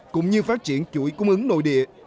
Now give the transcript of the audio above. cũng như phát triển chuỗi cung ứng nội địa